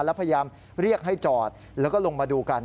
แล้วพยายามเรียกให้จอดแล้วก็ลงมาดูกัน